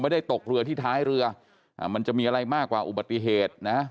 ตกเรือที่ท้ายเรือมันจะมีอะไรมากกว่าอุบัติเหตุนะ